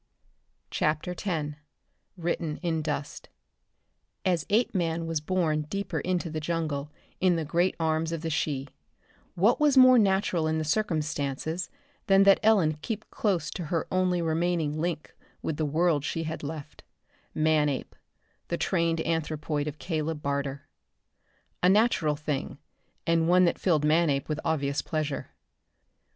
CHAPTER X Written in Dust As Apeman was borne deeper into the jungle in the great arms of the she, what was more natural in the circumstances than that Ellen keep close to her only remaining link with the world she had left Manape, the trained anthropoid of Caleb Barter? A natural thing, and one that filled Manape with obvious pleasure.